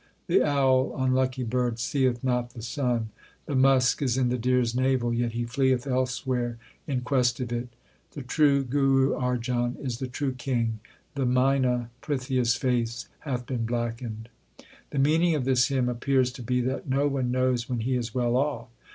The owl, unlucky bird, seeth not the sun. The musk is in the deer s navel, yet he fleeth elsewhere in quest of it. The true Guru Arjan is the true king ; the mina Prithia s face hath been blackened. 1 The meaning of this hymn appears to be that no one knows when he is well off.